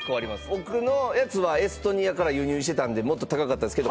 僕のやつはエストニアから輸入してたんでもっと高かったですけど